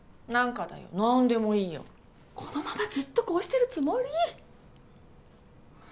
何かだよ何でもいいよこのままずっとこうしてるつもり？